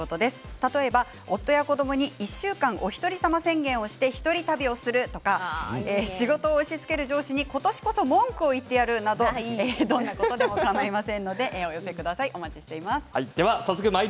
例えば夫や子どもに１週間お一人様宣言をして一人旅をするとか仕事を押しつける上司に今年こそ文句を言ってやる！などどんなことでもかまいませんのでお寄せください